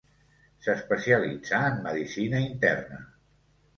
S'especialitzà en medicina interna.